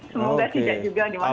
semoga tidak juga dimaksudkan